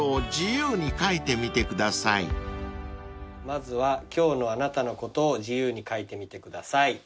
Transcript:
「まずは今日のあなたのことを自由に書いてみてください」